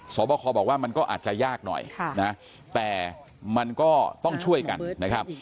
สอบคอบอกว่ามันก็อาจจะยากหน่อยนะแต่มันก็ต้องช่วยกันนะครับ